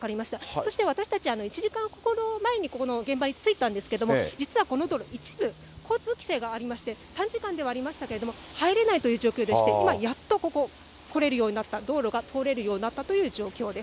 そして私たち、１時間ほど前に、ここの現場に着いたんですけれども、実はこの道路、一部交通規制がありまして、短時間ではありましたけれども、入れないという状況でして、今、やっとここ、来れるようになった、道路が通れるようになったという状況です。